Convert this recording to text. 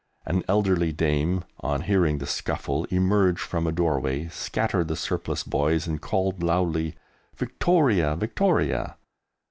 An elderly dame, on hearing the scuffle, emerged from a doorway, scattered the surplus boys, and called loudly, "Victoria, Victoria."